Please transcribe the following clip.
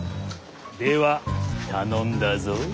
では頼んだぞ。